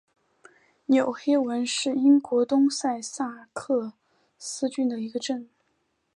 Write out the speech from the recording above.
纽黑文是英国东萨塞克斯郡的一个镇。